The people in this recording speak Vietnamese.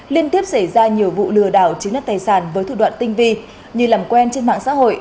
liên tiếp xảy ra nhiều vụ lừa đảo chiếm đất tài sản với thủ đoạn tinh vi như làm quen trên mạng xã hội